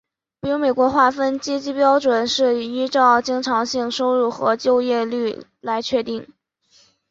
比如美国划分阶级标准是依照经常性收入和就业率来确定。